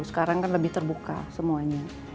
sekarang kan lebih terbuka semuanya